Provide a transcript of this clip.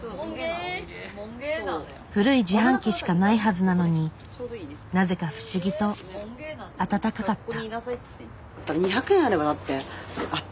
古い自販機しかないはずなのになぜか不思議と温かかった。